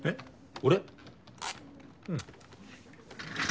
俺？